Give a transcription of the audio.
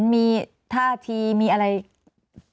มีท่าทีมีอะไรไหมคะ